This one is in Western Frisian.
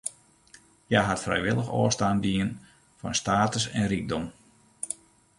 Hja hat frijwillich ôfstân dien fan status en rykdom.